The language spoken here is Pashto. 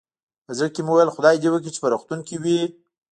په زړه کې مې ویل، خدای دې وکړي چې په روغتون کې وي.